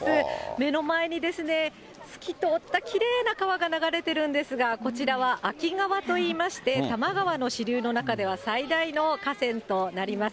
目の前に透き通ったきれいな川が流れているんですが、こちらは秋川といいまして、多摩川の支流の中では最大の河川となります。